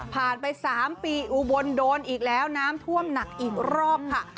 ไป๓ปีอุบลโดนอีกแล้วน้ำท่วมหนักอีกรอบค่ะ